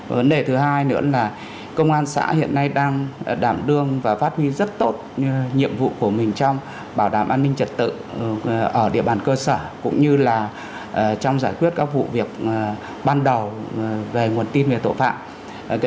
vấn đề thứ hai nữa là công an xã hiện nay đang đảm đương và phát huy rất tốt nhiệm vụ của mình trong bảo đảm an ninh trật tự ở địa bàn cơ sở cũng như là trong giải quyết các vụ việc ban đầu về nguồn tin về tội phạm